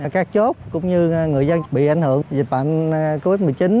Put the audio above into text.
các chốt cũng như người dân bị ảnh hưởng dịch bệnh covid một mươi chín